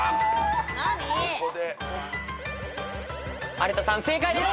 有田さん正解です。